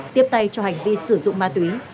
tiếp tay cho hành vi sử dụng ma túy